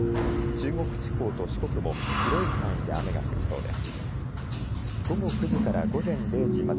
中国地方と四国も広い範囲で雨が降りそうです。